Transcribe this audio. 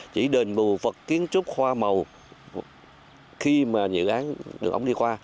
chỉ đền bù vật kiến trúc hoa màu khi mà dự án đường ống đi qua